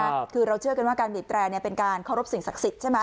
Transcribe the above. คือเราเชื่อกันว่าการบีบแตรเนี่ยเป็นการเคารพสิ่งศักดิ์สิทธิ์ใช่ไหม